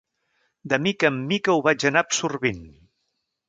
De mica en mica ho vaig anar absorbint.